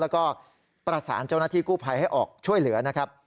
แล้วก็ประสานเจ้าหน้าที่กู้ภัยให้ออกช่วยเหลือนะครับ